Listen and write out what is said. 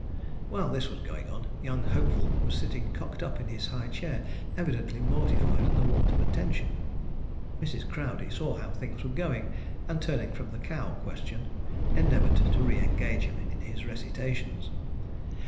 While this was going on, young hopeful was sitting cocked up in his high chair, evidently mortified at the want of attention. Mrs. Crowdey saw how things were going, and turning from the cow question, endeavoured to re engage him in his recitations.